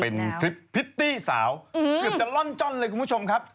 เป็นคลิปพิตตี้สาวเกือบจะล่อนจ้อนเลยคุณผู้ชมครับ